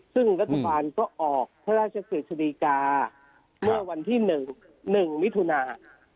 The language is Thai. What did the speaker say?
ซึ่งรัฐบาลก็ออกพระราชกฤษฎีกาเมื่อวันที่๑มิถุนา